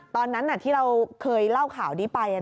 ตอนนั้นที่เราเคยเล่าข่าวนี้ไป